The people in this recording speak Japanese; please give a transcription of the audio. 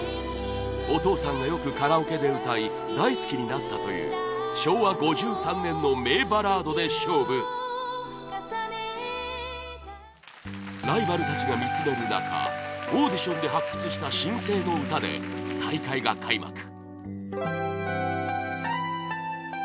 お父さんがよくカラオケで歌い大好きになったという昭和５３年の名バラードで勝負ライバルたちが見つめるなかオーディションで発掘した新星の歌で大会が開幕